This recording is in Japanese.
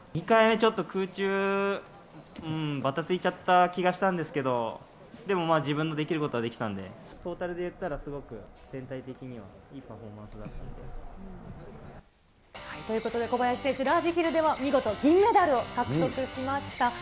２回目ちょっと空中、ばたついちゃった気がしたんですけど、でもまあ、自分のできることはできたんで、トータルで言ったらすごく全体的にはいいパフォーマンスだったと。ということで、小林選手、ラージヒルでは見事銀メダルを獲得しました。